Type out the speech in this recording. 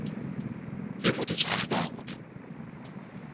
Hier moet iets aan gedaan worden.